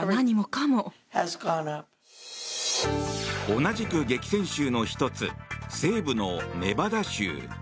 同じく激戦州の１つ西部のネバダ州。